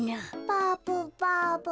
バブバブ。